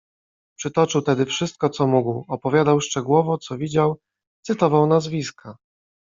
Przytoczył tedy wszystko, co mógł, opowiadał szczegółowo, co widział, cytował nazwiska.